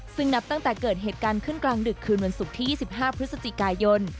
ซึ่งนับตั้งแต่เกิดเหตุการณ์ขึ้นกลางดึกคืนวันศุกร์ที่๒๕พฤศจิกายน